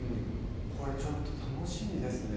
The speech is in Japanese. これちょっと楽しみですね